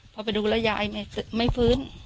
พอไปดูแล้วยายไม่ฟื้น